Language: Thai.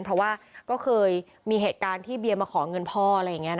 เพราะว่าก็เคยมีเหตุการณ์ที่เบียมาขอเงินพ่ออะไรอย่างนี้